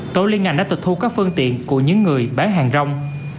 tổ liên ngành đã tịch thu các phương tiện của những người bán hàng rong